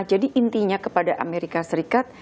jadi intinya kepada amerika serikat